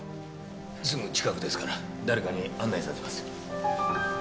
すぐ近くですから誰かに案内させます。